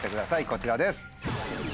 こちらです。